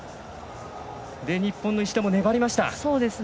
日本の石田も粘りました。